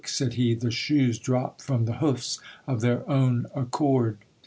said he; 'the shoes drop from the hoofs of their own accord.